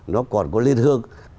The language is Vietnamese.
nó còn có lên hương